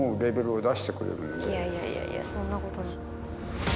いやいやいやいやそんなことない。